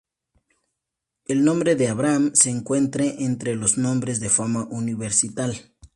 El nombre de abraham se encuentre entre los nombres de fama universal.